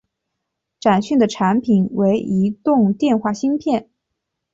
展讯的产品为移动电话芯片。